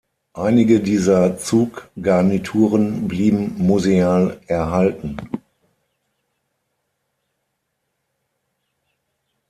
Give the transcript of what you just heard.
Einige dieser Zuggarnituren blieben museal erhalten.